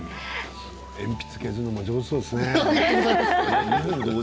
鉛筆、削るのも上手そうですね。